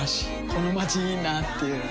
このまちいいなぁっていう